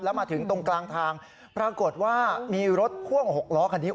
แล้วมาถึงตรงกลางทางปรากฏว่ามีรถพ่วง๖ล้อคันนี้